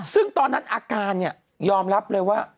ซึ่งตอนนั้นอาการเนี่ยยอมรับเลยว่า